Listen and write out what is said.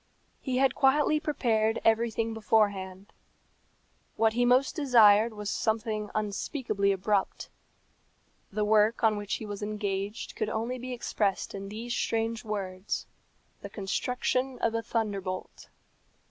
He had quietly prepared everything beforehand. What he most desired was something unspeakably abrupt. The work on which he was engaged could only be expressed in these strange words the construction of a thunderbolt.